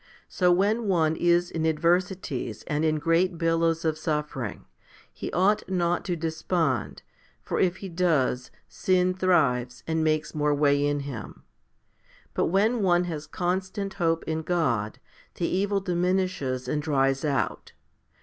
So when one is in adversities and in great billows of suffering, he ought not to despond ; for if Jie does, sin thrives and makes more way in him. But when one has constant hope in God, the evil diminishes and dries out.